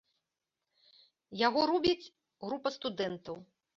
Яго робіць група студэнтаў.